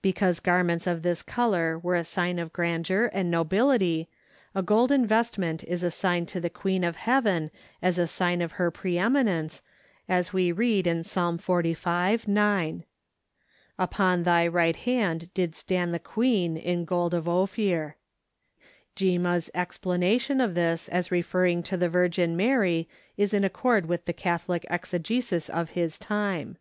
Because garments of this color were a sign of grandeur and nobility, a golden vestment is assigned to the Queen of Heaven as a sign of her pre eminence, as we read in Psalm xlv, 9: "Upon thy right hand did stand the queen in gold of Ophir." Gimma's explanation of this as referring to the Virgin Mary is in accord with the Catholic exegesis of his time.